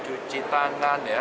cuci tangan ya